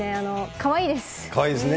かわいいですね。